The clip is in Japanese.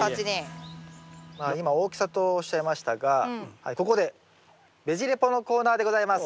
今大きさとおっしゃいましたがここでべジ・レポのコーナーでございます。